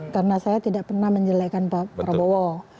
karena saya tidak pernah menjelekan pak prabowo